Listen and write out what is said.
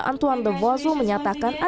antoine de vosel menyatakan